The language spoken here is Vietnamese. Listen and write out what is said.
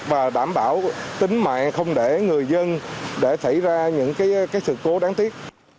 và đảm bảo tính mạng không để người dân để xảy ra những sự cố đáng tiếc